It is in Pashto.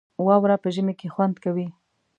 واوره په ژمي کې خوند کوي